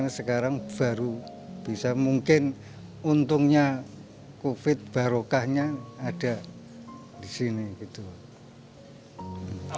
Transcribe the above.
nanti kalau tidak sampai ke tanah suci dengan kondisi seperti sekarang